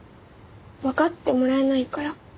わかってもらえないから。